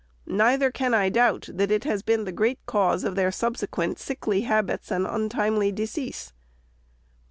Neither can I doubt that it has been the great cause of their subsequent sickly habits and untimely decease."